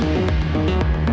ngetekan buat berapa lama